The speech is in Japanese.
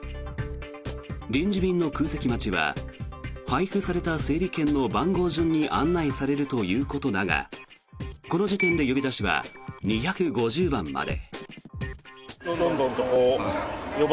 臨時便の空席待ちは配布された整理券の番号順に案内されるということだがこの時点で呼び出しは２５０番まで。